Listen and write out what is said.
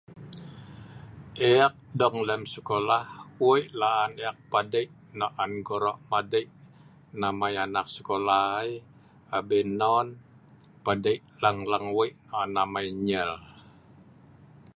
Eek dong lem skola' wei la'an eek padei' nok nan goro' madei na'mai anak skola ai, abin non padei' la'ang la'ang wei' on amai nnyel.